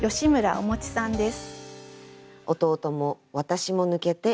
おもちさんです。